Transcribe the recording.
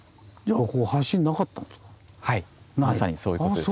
まさにそういうことですね。